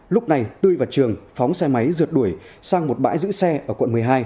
lúc này tươi và trường phóng xe máy rượt đuổi sang một bãi giữ xe ở quận một mươi hai